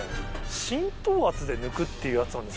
浸透圧で抜くっていうやつなんですね。